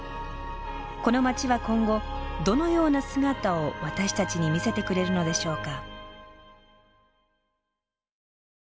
この街は今後どのような姿を私たちに見せてくれるのでしょうか？